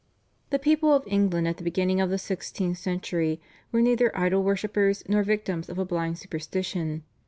The people of England at the beginning of the sixteenth century were neither idol worshippers nor victims of a blind superstition.